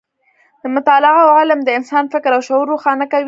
مطالعه او علم د انسان فکر او شعور روښانه کوي.